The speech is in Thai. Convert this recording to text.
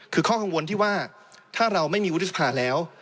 คือข้อกังวลที่ว่าถ้าเราไม่มีวุฒิสภาแล้ว